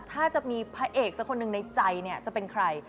ถ้าจะมีพระเอกสักคนหนึ่งในใจเนี่ยจะเป็นใคร